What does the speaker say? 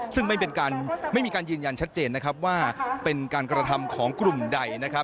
ซึ่งไม่มีการยืนยันชัดเจนว่าเป็นการกรรธรรมของกลุ่มใด